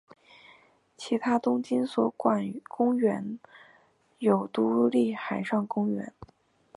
其他东京都所管公园有都立海上公园。